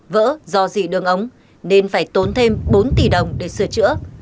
vỡ do dị đường ống nên phải tốn thêm bốn tỷ đồng để sửa chữa